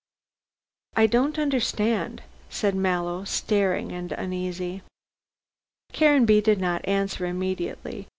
"I don't understand," said Mallow, staring and uneasily. Caranby did not answer immediately.